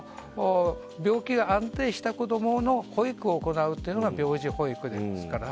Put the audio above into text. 病気が安定した子供の保育を行うというのが病児保育ですから。